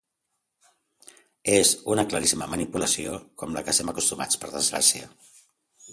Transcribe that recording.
És una claríssima manipulació com la que estem acostumats per desgràcia….